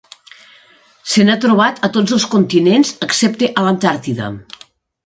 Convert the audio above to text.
Se n'ha trobat a tots els continents excepte a l'Antàrtida.